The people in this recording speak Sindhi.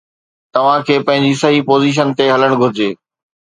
توھان کي پنھنجي صحيح پوزيشن تي ھلڻ گھرجي.